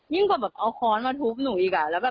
ยิ่งกว่าอาวุธมาทุบหนูอีก